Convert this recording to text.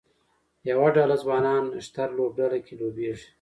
یوه ډله ځوانان نښتر لوبډله کې لوبیږي